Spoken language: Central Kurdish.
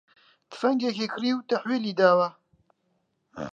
تفەنگێکی کڕی و تەحویلی داوە